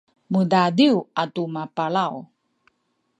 mudadiw atu mapalaw